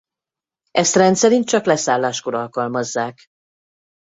Ezt rendszerint csak leszálláskor alkalmazzák.